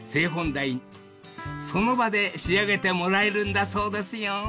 ［その場で仕上げてもらえるんだそうですよ］